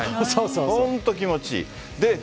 本当、気持ちいい。